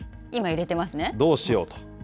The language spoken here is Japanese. どうしようと。